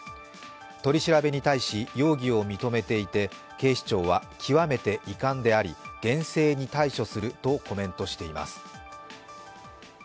取り調べに対し容疑を認めていて、警視庁は極めて遺憾であり、厳正に対処するとコメントしています。